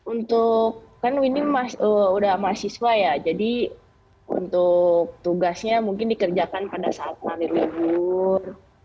untuk kan winning udah mahasiswa ya jadi untuk tugasnya mungkin dikerjakan pada saat lari libur